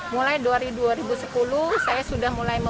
mulai dari dua ribu sepuluh saya sudah mulai